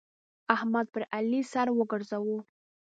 احمد پر علي سر وګرځاوو.